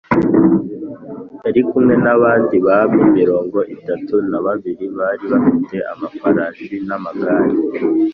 Yari kumwe n’abandi bami mirongo itatu na babiri bari bafite amafarashi n’amagare